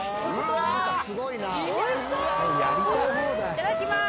いただきます！